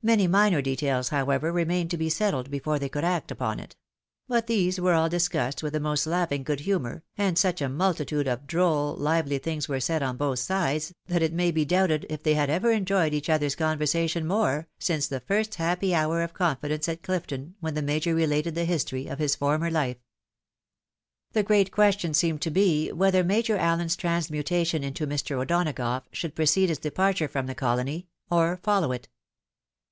Many minor details, however, remained to be settled before they could act upon it ; but these were all discussed with the most laughing good humour, and such a multitude of droll, hvely things were said on both sides, that it may be doubted if they had ever enjoyed each other's conversation more, since the first happy hour of confidence at Clifton, when the Major re lated the history of his former life. The great question seemed to be whether Major Allen's transmutation into Mr. O'Donagough should precede his departure from the colony, or follow it.